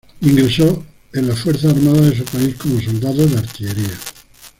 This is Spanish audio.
Ingresó a las fuerzas armadas de su país como soldado de artillería.